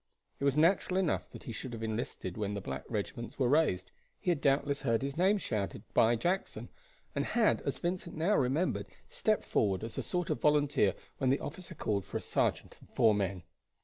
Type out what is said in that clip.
It was natural enough that he should have enlisted when the black regiments were raised. He had doubtless heard his name shouted out by Jackson, and had, as Vincent now remembered, stepped forward as a sort of volunteer when the officer called for a sergeant and four men.